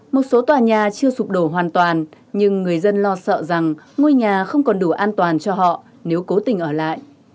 một số tòa nhà chưa sụp đổ hoàn toàn nhưng người dân lo sợ rằng ngôi nhà không còn đủ an toàn cho họ nếu cố tình ở lại